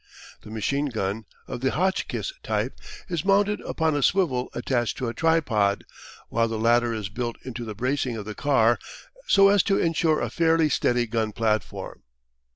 The machine gun, of the Hotchkiss type, is mounted upon a swivel attached to a tripod, while the latter is built into the bracing of the car, so as to ensure a fairly steady gun platform.